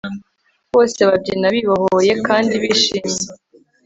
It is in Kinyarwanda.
bose babyina bibohoye kandi bishimye